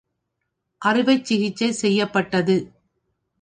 அறுவை சிகிச்சை செய்யப்பட்டது.